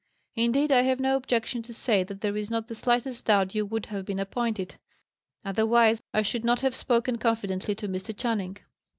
Indeed, I have no objection to say that there is not the slightest doubt you would have been appointed; otherwise, I should not have spoken confidently to Mr. Channing."